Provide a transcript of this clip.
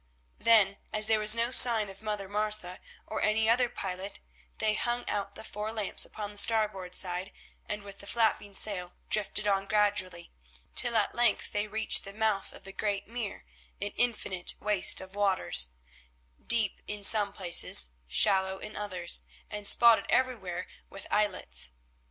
Then, as there was no sign of Mother Martha, or any other pilot, they hung out the four lamps upon the starboard side, and, with a flapping sail, drifted on gradually, till at length they reached the mouth of the great mere, an infinite waste of waters—deep in some places, shallow in others, and spotted everywhere with islets.